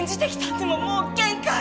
でももう限界！